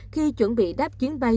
khi chuẩn bị đáp chuyến bay